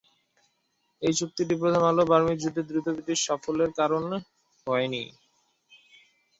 এই চুক্তিটি প্রথম অ্যাংলো-বার্মিজ যুদ্ধে দ্রুত ব্রিটিশ সাফল্যের কারণে হয়নি।